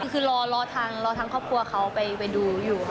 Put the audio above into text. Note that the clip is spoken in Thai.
คือรอทางรอทางครอบครัวเขาไปดูอยู่ค่ะ